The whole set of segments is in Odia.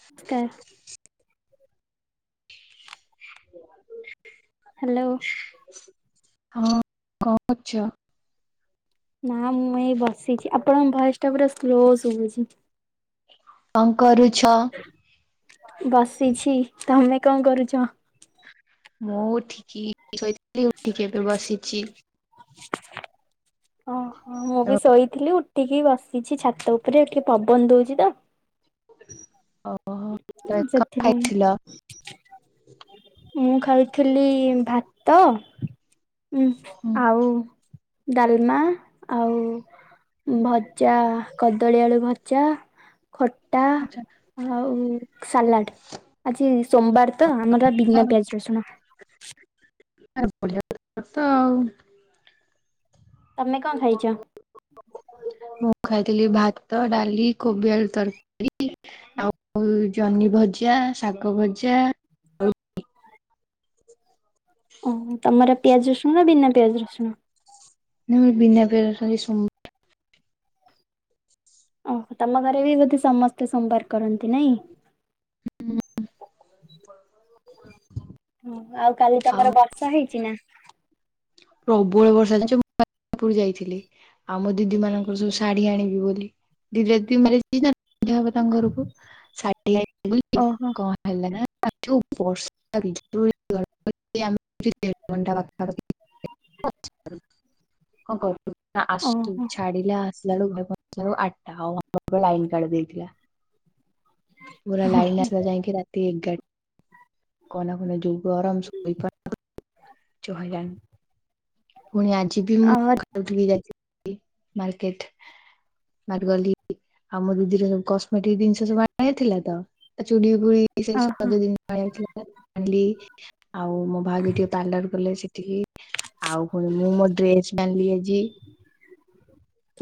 ନମସ୍କାର [inaudible] ହ୍ୟାଲୋ ଆ [inaudible] [inaudible] ହଁ କଣ କରୁଛ? ନା ମୁଁ ଏଇ ବ ବସିଛି ଆପଣଙ୍କ ଭୟ ପୁରା ସ୍ଲୋ ଶୁଭୁଛି ଅଙ୍କ ବସିଛି, ତମେ---? କଣ କରୁଛ---? ମୁଁ ଠିକି ଶୋଇଥିଲି ଉଠିକି ଏବେ ବସିଥିଲି ପକ୍ଷି [unintelligible] [inaudible] ଓହୋ ମୁଁ ବି ଶୋଇଥିଲି ଉ ଉଠିକି ବସିଛି ଛାତ ଉପରେ ଟିକେ ପବନ ଦଉଛି ତ ଓ ହୋ, କଣ ସେଥିଲାଗି। ଖାଇଥିଲ? ମୁଁ ଖାଇଥିଲି ଭାତ ହୁଁ ତ ଆଉଉ ଡାଲମା ଆଉ ଭଜା କଦଳୀ ଆଳୁ ଭଜା ଖଟା ଆଉ ସାଲାଡ ଆଜି ସୋମବାର ତ ଆମର ବିନା ପିଆଜ ରସୁଣ ଏ ବଢିଆ ତ ଆଉ ତମେ କଣ ଖାଇଛ? ମୁଁ ଖାଇଥିଲି ଭାତ ଡାଲି କୋବି ଆଳୁ ତରକାରୀ ଆଉ ଜହ୍ନି ଭଜା ଶାଗ ଭଜା ଓହ ତମର ପିଆଜ ରଶୁଣ ବିନା ପିଆଜ ରଶୁଣ ହଁ ବିନା ପିଆଜ ରସୁଣ ରେ ସ ଓହୋ ତମ ଘରେ ବି ବୋଧେ ସମସ୍ତେ ସୋମବାର କରନ୍ତି ନାଇଁ? ହୁଁ। [inaudible] ହ ଆଉ କାଲି ତମର ବର୍ଷା ହେଇଛି ନା। ପ୍ରବଳ ବର୍ଷା ଜାଣିଛ ମୁଁ [inaudible] ଯାଇଥିଲି ଆଉ ମୋ ଦିଦି ମାନଙ୍କର ସବୁ ଶାଢୀ ଆଣିବି ବୋଲି ଦିଦି [inaudible] ନିଆହବ ତାଙ୍କ ଘରକୁ ଓହୋ [inaudible] [inaudible] [inaudible] ହଁ କର [inaudible] ଓହୋ। ପହଁଚିଲାବେଳେ ଆଠଟା ଆଉ [inaudible] ଲାଇନ କାଟି ଦେଇଥିଲା। ପୁରା ଲାଇନ ଆସିଲା ଯାଇକି ରାତି ଏଗାର କନା କନା ଯୋଉ ଗରମ ଶୋଇ [inaudible] ପୁଣି ଆଜି ବି ଓହୋ ମୁଁା ଯାଇଥିଲି। ଓହୋ [inaudible] [inaudible] ଆଉ ମୋ ଭାଉଜ ଟିକେ ପାର୍ଲର ଗଲେ ସେ [inaudible] ଆଉ ପୁଣି ମୁଁ ମୋ ଡ୍ରେସ ବି ଆଣିଲି ଆଜି।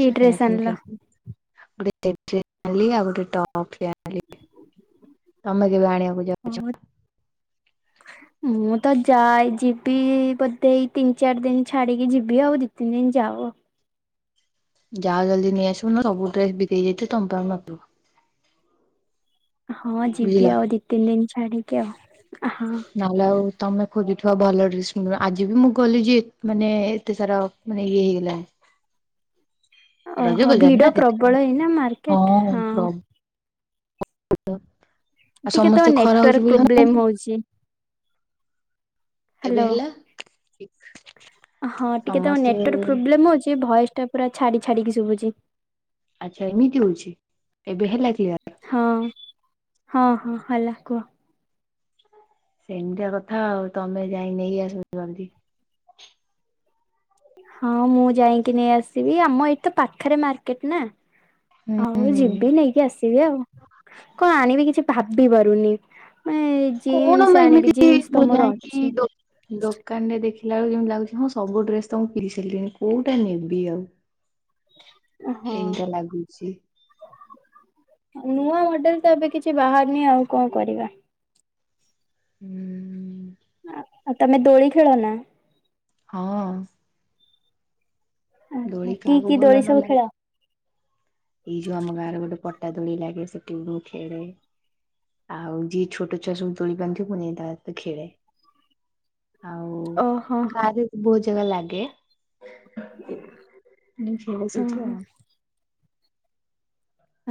କି ସବୁ ଡ୍ରେସ କିଣାକିଣି ଆଣିଲ? କରିକି ଗୋଟେ [inaudible] ଆଣିଲି ଆଉ ଗୋଟେ ଟପ୍ ଟେ ଆଣ [inaudible] ତମେ କେବେ ଆଣିବାକୁ ଯାଉଛ? ମୁଁ ତ ଯାଏ ଯିବି ବୋଧେ ଏଇ ତିନି ଚାରି ଦିନ ଛାଡିକି ଯିବି ଆଉ ଦି ତିନି ଦିନ ଯାଉ ଯାଅ ଜଲ୍ଦି ନେଇଆସିବ ନହଲେ ସବୁ ଡ୍ରେସ ବିକ୍ରି ହେଇଯାଇଥିବ ତମ ପାଇଁ ଆଉ ନଥିବ। ହଁ ଯିବି ଆଉ ଦି ତିନି ଦିନ ଆଣିକି ଆଉ ହଁ। ନହଲେ ଆଉ ତମେ ଖୋଜୁଥିବ ଭଲ ଡ୍ରେସ୍ ଆଜି ବି ମୁଁ ଗଲି ଯେ ମାନେ ଏତେ ସାରା ମାନେ ଇଏ ହେଇଗଲାଣି। ରଜ ଓହୋ ବଜାର ନା ଭିଡ ସେଥିପାଇଁ ପ୍ରବଳ ଏଇନା ମାର୍କେଟ ହଁ। [unintelligible] ଟିକେ ତମ ସମସ୍ତେ ଖରା ହଉଛି ନେଟୱାର୍କ ବୋଲି ଜାଣୁନାହାନ୍ତି ପ୍ରୋବ୍ଲେମ ହଉଛି। ଏବେ ହ୍ୟାଲୋ ହେଲା। ହଁ ଟିକେ ତମ ସମସ୍ତେ ନେଟୱାର୍କ ପ୍ରୋବ୍ଲେମ ହଉଛି ଯେ ଭଏସ ଟା ପୁରା ଛାଡି ଛାଡିକି ଶୁଭୁଛି। ଆଚ୍ଛା ଏମିତି ହଉଛି ଏବେ ହେଲା କ୍ଲିଅର? ହଁ ହଁ ହଁ ହେଲା କୁହ। ସେମିତି କଥା ଆଉ ତମେ ଯାଇ ନେଇ ଆସ ଜଲଦି। ହଁ ମୁଁ ଯାଇକି ନେଇ ଆସିବି ଆମ ଏଇ ତ ପାଖରେ ମାର୍କେଟ ନା। ହୁଁ ଆଉ ଯିବି ହୁଁ ନେଇକି ଆସିବି ଆଉ କଣ ଆଣିବି କିଛି ଭାବ ବି ପାରୁନି। ମାନେ କଣ ଜିନ୍ସ ମୁ ଆଣିବି ଏମିତି ଜିନ୍ସ ତ ମୁଁ ମୋର ଯାଇକି ଅଛି ଦୋକାନରେ ଦେଖ ଦେଖିଲା ବେଳକୁ ଯେମିତି ଲାଗୁଛି ହଁ ସବୁ ଡ୍ରେସ ତ ମୁଁ ପିନ୍ଧି ସାରିଲିିନି କୋଉଟା ନେବି ଆଉ? ହଁ ଏମିତିଆ ଲାଗୁଛି ନୂଆ ତ ଏବେ କିଛି ବାହାରିନି ଆଉ କଣ କରିବା। ହୁଁ। ତମେ ଦୋଳି ଖେଳ ନା? ହଁ। ଦୋଳି ଓ କି କାହାକୁ କି ଭଲ ଦୋଳି ନ ସବୁ ଲାଗେ। ଖେଳ? ଏଇ ଯୋଉ ଆମ ଗାଁରେ ଗୋଟେ ପ ଟା ଦୋଳି ଲାଗେ ସେଠି ଖେଳେ ଆଉ ଯିଏ ଛୋଟ ଛୁଆ ସବୁ ଦୋଳି ବାନ୍ଧିଥିବେ ପୁଣି ତା ସହ ଖେଳେ। ଆଉ ଓହୋ ଗାଁ ରେ ଭୋଜି ବା ଲାଗେ ମୁଁ ଖେଳେ ସେଠୀ ଓହୋ ଆଉ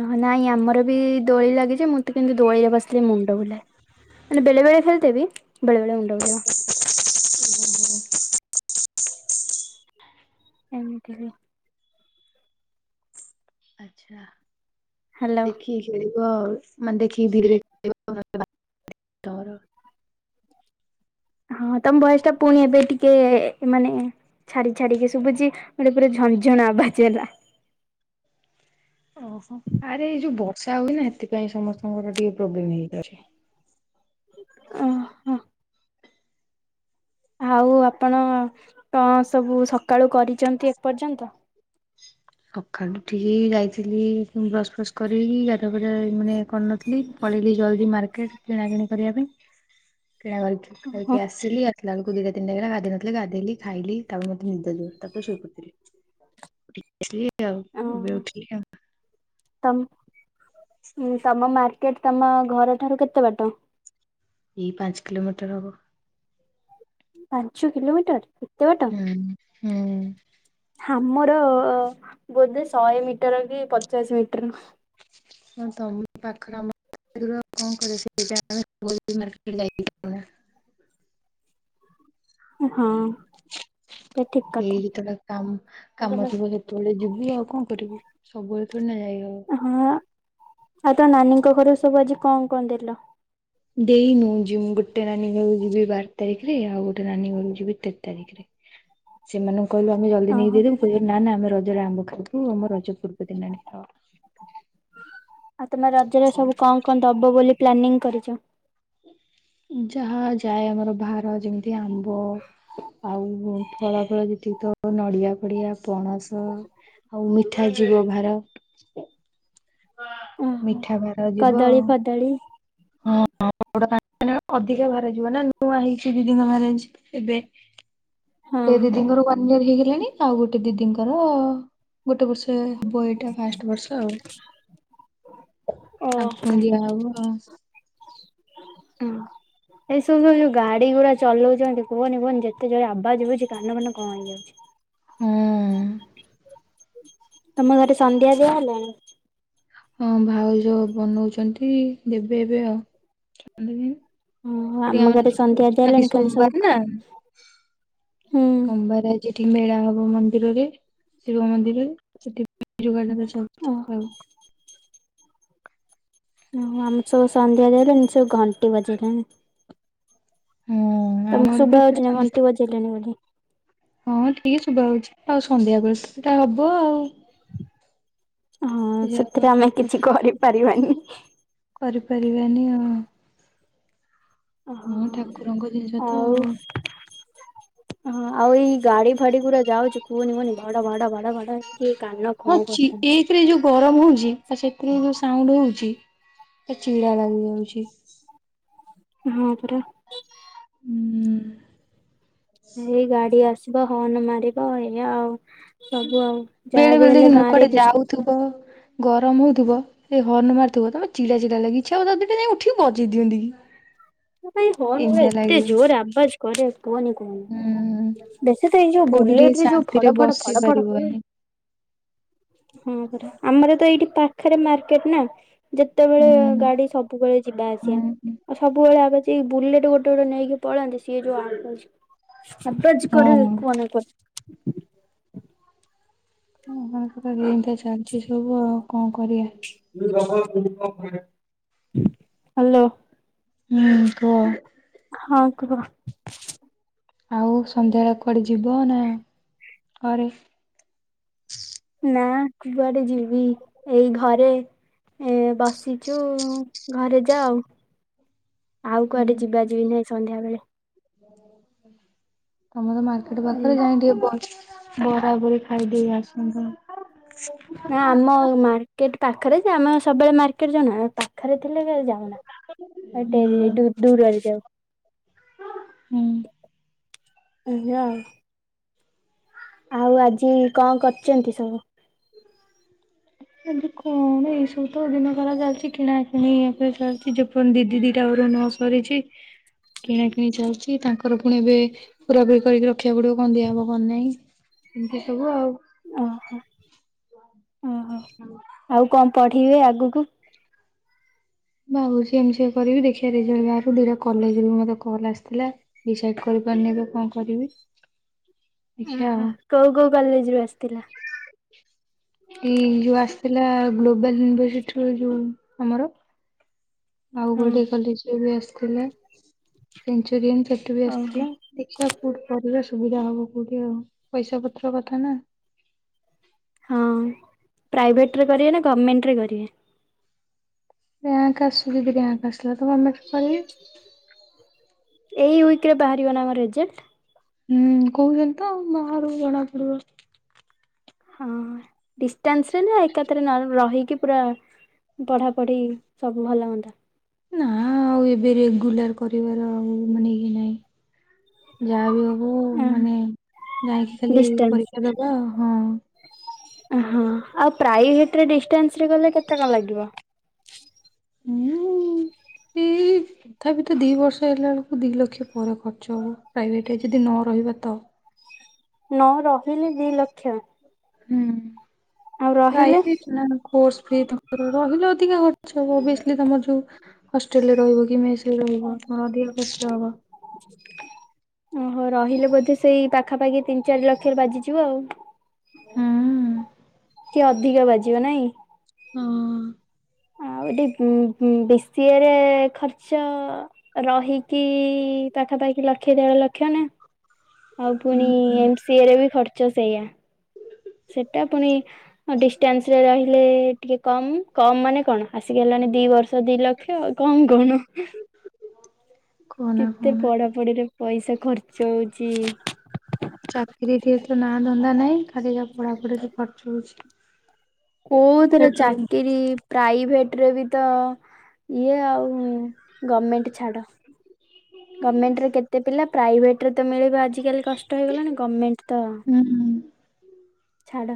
ହ ନାଇଁ ଆମର ବି ଦୋଳି ଲାଗିଛି ମୁଁ ତ କିନ୍ତୁ ଦୋଳିରେ ବସ ମୁଣ୍ଡ ବୁଲାଏ ମାନେ ବେଳେ ବେଳେ ଖେଳଦେବି ବେଳେ ବେଳେ ମୁଣ୍ଡ ବୁଲେଇବ। [inaudible] ଏମିତିରେ ଆଛା ହ୍ୟାଲୋ ଦେଖି କି ଖେଳିବୁ ମାନେ ଦେଖିକି ଧିରେ ଧିରେ [unintelligible] ହଁ ତମ ଭଏସ ଟା ପୁଣି ଏବେ ଟିକେ ମାନେ ଛାଡି ଛାଡିକି ଶୁଭୁଛି ଗୋଟେ ପୁରା ଝଞଝଣା ଆବାଜ ହେଲା। ଓହୋ ଆରେ ଏଇ ଯୋଉ ବର୍ଷା ହୁଏ ନା ସେଥିପାଇଁ ସମସ୍ତଙ୍କର ଟିକେ ପ୍ରୋବ୍ଲେମ୍ ହେଇଯାଉଛି। ଓ ହୋ। ଆଉ ଆପଣ କଣ ସବୁ ସକାଳୁ କରିଛନ୍ତି ଏପର୍ଯ୍ୟନ୍ତ? କ କାଲି ଉଠିକି ଯାଇଥିଲି। ବସ୍ କରିକି ଗାଧୁଆ ପାଧୁଆ ମାନେ କରିନଥିଲି ପଳେଇଲି ଜଲଦି ମାର୍କେଟ କିଣାକିଣି କରିବା ପାଇଁ। କିଣା କରିକି ଓହୋ ଖାଇକି ଆସିଲି। ଲାଡୁକୁଦଲା ଗାଧେଇନଥିଲେ ଗାଧେଇକି ଖାଇଲି ତା ମ ନିଦ ଜୋ ତା ସ କରିଥିଲି। [unintelligible] ଚାଲ [unintelligible] ହୁଁ ସମାନ। ଏଇଠୁ ତମ ଘର ଠାରୁ କେତେ ବାଟ? ଏଇ ପାଞ୍ଚ କିଲୋମିଟର ହବ। ପାଞ୍ଚ କିଲୋମିଟର? ଏତେ ବାଟ। ହୁଁ ହୁଁ। ଆମର ବୋଧେ ଶହେ ମିଟର କି ପଚାଶ ମିଟର। ହଁ ତମ ପାଖରେ ଆମ ଆ କଣ କ ସେ ସେଇ ହଁ ଏଟା ଠିକ କଥା। ଯେତେବେଳେ କାମ କାମ ଥିବ ସେତେବେଳେ ଯିବି ଆଉ କଣ କରିବୁ? ସବୁବେଳେ ଥୋଡି ନା ଯାଇହବ? ହଁ ଆଉ ତ ନାନୀଙ୍କ ଘର ସବୁ ଆଜି କଣ କଣ ଦେଲ? ଦେଇନୁ ଯିବ ଗୋଟେ ନାନୀ ଘକୁ ଯିବି ବାର ତାରିଖରେ ଆଉ ଗୋଟେ ନାନୀ ଘଳକୁ ଯିବି ତେର ତାରିଖରେ। ସେମାନଙ୍କୁ କହିଲ ଆମେ ଜଲଦିକ ଓହୋ ଦେଇଦବୁ କହିବ ନା ଆମେ ରଜରେ ଆରମ୍ଭିବୁ। ଥାଉ ଆମ ରଜ ପୂର୍ବ ଦିନ ଆଣିକି ଦବ। ଆଉ ତମ ରଜରେ ସବୁ କଣ କଣ ଦବ ବୋଲି ପ୍ଲାନିଂ କରିଚ? ଯାହା ଯାଏ ଆମର ଭାର ଯେମିତି ଆମ୍ବ ଆଉ ଫଳ ଫଳ ଯେତିକି ତ ନଡିଆ ପଡିଆ ପଣସ ଆଉ ମିଠା ଯିବ ଭାର। ଓହୋ। [inaudible] ଯିବ କଦଳୀ ଫଦଳୀ। ହଁ ଅଧିକା ବାହାରି ଯିବ ନା ନୂଆ ହେଇଛି ମ୍ୟାରେଜ ଏବେ। ହଁ। ଏ ଦି ଦିଙ୍କର ୱାନଇୟର ହେଇଗଲାଣି? ଆଉ ଗୋଟେ ଦିଦିଙ୍କର ଗୋଟେ ବର୍ଷ। ସେ ବହିଟା ଫାଷ୍ଟ ବର୍ଷ ଆଉ ଓହୋ। ତାଙ୍କୁ ପୁଣି ଦିଆ ହବ। ହଁ ଏସବୁ ସବୁ ଯୋଉ ଗାଡି ଗୁଡା ଚଲଉଛି କୁହନି କୁହନି ଯେତେ ଜୋରେ ଆବାଜ ହୁଉଛି କାନ ଫାନ କଣ ହେଇଯାଉଛି। ତମ ଘରେ ସନ୍ଧ୍ୟା ଦିଆ ହେଲାଣି? ହଁ ଭାଉଜ ବନଉଛନ୍ତି ଦେବେ ଏବେ ଆଉ ଓହୋ ସେଠି ଆମ ଘରେ ଆମର ସନ୍ଧ୍ୟା ଦିଆ ଯିନ୍ତି ହେଲାଣି ଖାଲି ସବୁ ସୋମବାର ନା ହୁଁ ସୋମବାରଜିଠି ମେଳା ହବ। ଶିବ ମନ୍ଦିରରେ ଶିବ ମନ୍ଦିରରେଠ ଯୋଗାଟା ସବଠି ଖାଉ ଓ ଆମ ସବ ସନ୍ଧ୍ୟା ଦେବେ ସେ ଘଣ୍ଟେ ବଜରେ ହୁଁ ଆମର ତମକୁ ବି ଶୁଭ ଏପଟେ ହଉଛି ନା ସନ୍ଧ୍ୟା ଘଣ୍ଟି ବଜେଇଲେଣି ବୋଲି ହଁ ଟିକେ ଶୁଭ ହଉଛି ଆଉ ସନ୍ଧ୍ୟା ବଟା ହବ ଆଉ। ହଁ ଯାହା ସେଥିରେ ଆମେ ଠାକୁର କିଛି କରିପାରିବାନି କରିପାରିବାନି ଆଉ ହଁ ଓହୋ। ଠାକୁରଙ୍କ ଜିନିଷ ତ ଆଉ। ହଁ ଆଉ ଏଇ ଗାଡି ଫାଡି ପୁରା ଯାଉଛି କୁହନି କୁହନି ଭଡ, ଭଡ, ଭଡ, ଭଡ କାନ କଣ ହଉଛି କରିଦଉଛି। ଏଇଥିରେ ଯୋଉ ଗରମ ହଉଛି ଆ ସେଥିରେ ଯୋଉ ସାଉଣ୍ଡ ହଉଛି ଚିଡା ଲାଗି ଯାଉଛି। ହଁ ପରା। ହଁ [inaudible] ଏଇ ଗାଡି ଆସ ଯିବ ହର୍ଣ ମାରିବ ଏଇ ଆଉ ସବୁ ଆଉ ବେଳେ ଯାହାବି ବେଳେ ହେଲେ ଗାଁରେ କୁଆଡେ ଡିସ୍ ଯାଉଥିବ ଗରମ ହଉଥିବ ସେ ହର୍ଣ୍ଣ ମାରିଥିବ ତମେ ଚିଡା ଚିଡା ଲାଗିଛି ଆଉ ତା ଦିଟା ଯାଇ ଉଠିକି ବଜେଇ ଦିଅନ୍ତି କି? ଭାଇ ହଁ ଏମିତିଆ ଏତେ ଲାଗିବ ଜୋର ଆବାଜ କରେ କୁହନି ହୁଁ କୁହନି ବେଶୀ ତ ଏଇ ଯୋଉ କୋଉଠି ଟିକେ ବୁଲେଟ ରେ ଯୋଉ ଶାନ୍ତିରେ ଫଡ, ଫଡ, ବସି ଫଡ, ଫଡ ହୁଏନି ପାରିବନି। ହଁ ପରା ଆମର ତ ଏଇଠି ପାଖରେ ମାର୍କେଟ ନା ଯେତେବେଳେ ହୁଁ ଗାଡି ସବୁବେଳେ ଯିବା ଆସିବା ହୁଁ। ଆଉ ସବୁ ସବୁବେଳେ ସେ ବୁଲେଟ ଗୋଟେ ଗୋଟେ ନେଇକି ପଳାନ୍ତି ସିଏ ଯୋଉ ଆ ଆବାଜ କରେ ହଁ କୁଅନା କୁଅନା ଏମତି ଚାଲିଛି ସବୁ ଆଉ କଣ କରିବା? ହ୍ୟାଲୋ। ହୁଁ କୁହ। ହ କହ [inaudible] ଆଉ ସନ୍ଧ୍ୟାବେଳେ କୁଆଡେ ଯିବ ନା ଘରେ? ନା କୁଆଡ଼େ ଯିବିନି। ଏଇ ଘରେ। ଏ ବସିଛୁ ଘରେ ଯାଆ ଆଉ। ଆଉ କୁଆଡେ ଯିବା ଯିବି ନାଇଁ। ସନ୍ଧ୍ୟାବେଳେ ହଁ [inaudible] ଆମର ମାର୍କେଟ ପାଖରେ ଯାଇ ଟି ବରାବରି ଖାଇ ଦେଇ ଆସନ୍ତ। ନା ଆମ ମାର୍କେଟ ପାଖରେ ଯେ ଆମେ ସବୁବେଳେ ମାର୍କେ ଟ, ଜଣ ପାଖରେ- ଥିଲେବେଳେ ଯାଏନା। ହୁଁ। ଆଉ ଦୂରରେ ଯାଉ। ହୁଁ । ଆଜ୍ଞା। ଆଉ' ଆଜି କଣ, କରୁଛନ୍ତି ସବୁ? ଏମିତି କଣ, ଏଇ ସବୁ ତ ଦିନ ଯାକ ଚାଲିଛି । କିଣା, କୁଣି ଏବେ ଚାଲିଛି। ଯେ ପର୍ଯ୍ୟନ୍ତ ଦିଦି ଦିଟା ଘରୁ, ନ ସରିଛି କିଣା, କିିଣି ଚାଲିଛି ତାଙ୍କର ପୁଣି ଏବେ, ପୁରା ପୁରୀ କରିକି ରଖିବାକୁ ପଡିବ। କଣ, ଦିଆ ହବ କଣ ନାହିଁ। ଏମିତି ସବୁ ଆଉ ଓହୋ । ଓହୋ ଆଉ' କଣ ପ ଇଏ ଆଗକୁ- ଭାବୁଛି ଏମିତି ସବୁ କରିବି । ଦେଖିବା ରେଜଲ୍ଟ ବାହାରୁ, ଦିଟା କଲେଜ ରୁ ମତେ କଲ ଆସିଥିଲା। ଡିସାଇଟ କରିପାରୁନି ଏବେ କଣ, କରିବି । ଆଛା କଲେଜରୁ ଆସିଥିଲା । ଏଇ ଯୋଉ, ଆସିଥିଲା ଗ୍ଲୋବାଲ ଇନଫୋସିଟି ରୁ ଯୋଉ, ଆମର ଆଉ' ହଁ ଗୋଟେ କଲେଜରୁ ବି ଆସିଥିଲା । ସେୁ ବିରିୟାନୀ ସେଠୁ ବି ଓହୋ ଆସିଥିଲା ।ଦେଖିବା କୋଉଠି କରିବା। ସୁବିଧା ହବ କୋଉଠି? ଆଉ' ପଇସା ପତ୍ର କଥା ନା । ହଁ ପ୍ରାଇଭେଟରେ କରିବେ, ନା ଗଭର୍ଣମେଣ୍ଟ ରେ କରିବେ? ଗାଁ କ ଆସୁ ଦରି ଗାଁ କ ଆସିଲା ତ ମେ କନି [unintelligible] ଏଇ ୱିକ ରେ, ବାହାରିବ ନା ଆମ ରେଜଲ୍ଟ? ହୁଁ, କହୁଛନ୍ତି ତ ବାହାରୁ ଜଣାପଡିବ । ହଁ ଡିଷ୍ଟାନ୍ସରେ ନା ଏକାଥରେ, ନହେଲେ ରହିକି ପୁରା ପଢା, ପଢି ସବୁ ଭଲ ହୁଅନ୍ତା । ନା ଆଉ' ଏବେ ରେଗୁଲାର କରିବାର ଆଉ' ମାନେ ଇଏ ନାହିଁ ।ଯାହା ବି ହୁ, ମାନେ ଯାଇକି ଖାଲି ଡିଷ୍ଟାନ୍ସ ପରୀକ୍ଷା ଦବା। ହଁ, ହଁ, ଆଉ ପ୍ରାଇଭେଟ ରେ ଡିଷ୍ଟାନ୍ସ । ଗଲେ କେତେ କଣ, ଲାଗିବ? ହୁଁ, ଟି-ତଥାପି ତ ଦି ବର୍ଷ ହେଲା ବେଳକୁ, ଦି ଲକ୍ଷ ପରେ ଖର୍ଚ୍ଚ ହବ। ପ୍ରାଇଭେଟ ଯଦି ନ ରହିବା ତ। ନଅ ରହିିଲେ ଦିଇ ଲକ୍ଷ । ହୁଁ, ରାଇ ପି, କୋର୍ସ ରହିଲେ ଅଧିକା ଖର୍ଚ୍ଚ ହବ। ଓଭିଓସିଲି, ତମର ଯୋଉ ହଷ୍ଟେଲରେ ରହିବ କି ମେସ ରହିବ ହଳଧିଆ ଖର୍ଚ୍ଚ ହବ । ଓହୋ, ରହିଲେ ବୋଧେ ସେଇ ପାଖାପାଖି ତିନି, ଚାରି ଲକ୍ଷରେ ବାଜିଯିବ ଆଉ । ହୁଁ କିଏ ଅଧିକା ବାଜିବ ନାଇଁ? ହଁ। ଆଉ ଏଠି ଉଁ- ଉଁ- ବି ସି ଏ ରେ ଖର୍ଚ୍ଚ ରହିକି ପାଖାପାଖି ଲକ୍ଷେ ଦେଢ ଲକ୍ଷ ନା। ଆଉ ପୁଣି ଏମ ସି ଏ ରେ ବି ଖର୍ ଚ ସେଇଆ। ସେଟା ପୁଣି ଡିଷ୍ଟାନ୍ସ ରେ ରହିଲେ ଟିକେ କମ। କମ ମାନେ କଣ ଆସିକି ହେଲାଣି ଦି ବର୍ଷ ଦି ଲକ୍ଷ କମ କଣ? ଆ କେତେ ପଢା ପଢିରେ ପଇସା ଖର୍ଚ୍ଚ ହଉଚି। ଚାକିରିଠି ଏତେ ନାଁ ଧନ୍ଦା ନାହିଁ ଖାଲି ଯାହା ପଢ଼ାପଢ଼ି ରେ ଖର୍ଚ୍ଚ ହଉଛି। କୋଉଥିରେ କୋଉଠି ଚାକିରିୀ ପ୍ରାଇଭେଟ୍ ରେ ବି ତ ଇଏ ଆଉ ଗମେଣ୍ଟ ଛାଡ ଗମେଣ୍ଟ ରେ କେତେ ପିଲା ପ୍ରାଇଭେଟ୍ ରେ ତ ମିଳିବା ଆଜିକାଲି କଷ୍ଟ ହେଇଗଲାଣି ଗମେଣ୍ଟ ତ୍ ହୁଁ ଛାଡ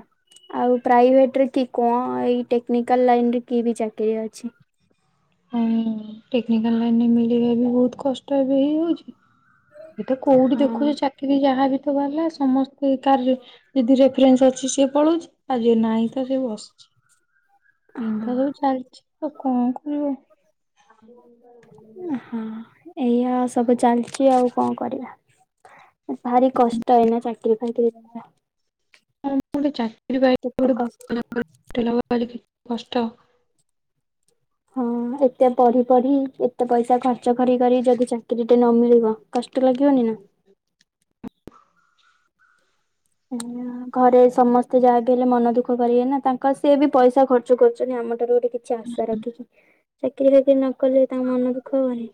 ଆଉ ପ୍ରାଇଭେଟ ରେ କି କଣ ଏଇ ଟେକ୍ନିକାଲ ଲାଇନରେ କି ବି ଚାକିରୀ ଅଛି। ହୁଁ ଟେକ୍ନିକାଲ ଲାଇନ୍ ରେ ମିଳିବା ବି ବହୁତ କଷ୍ଟ ବି ହେଇଯାଉଛି। ଏଟା କୋଉଠି ହଁ ଦେଖୁଛି ଚାକିରି ଯାହାବି ବାଲା ସମସ୍ତେ କାର ଯଦି ରେଫରେନ୍ସ ଅଛି ସିଏ ପଳଉଚି ଆଉ ଯାହାର ନାହିଁ ତ ସେ ବସଛି। ହଁ ପିନ୍ଧା ସବୁ ଚାଲଚି ଆଉ କଣ କରିବ? ହଁ ଏଇଆ ସବୁ ଚାଲିଚି ଆଉ କଣ କରିବା? ଭାରି କଷ୍ଟ ଏଇନା ଚାକିରି ଫାକିରି ପାଇଁ [inaudible] କଷ୍ଟ କଷ୍ଟ। ହଁ ଏତେ ପଢି ପଢି ଏତେ ପଇସା ଖର୍ଚ୍ଚ କରି କରି ଯଦି ଚାକିରି ଟେ ନ ମିଳିବ କଷ୍ଟ ଷ୍ଟ ଲାଗିିବନି ନା। ଘରେ ସମସ୍ତେ ଯାହା ବି ହେଲେ ମନ ଦୁଃଖ କରିବେ ନା ତାଙ୍କର ସିଏ ବି ପଇସା ଖର୍ଚ୍ଚ କରୁଛନ୍ତି ଆମ ଠାରୁ ଗୋଟେ କିଛି ଆଶା ରଖିକି ଚାକିରୀ ବାକିରୀ ନ କଲେ ତାଙ୍କ ମନ ଦୁଃଖ ହବନି। [inaudible]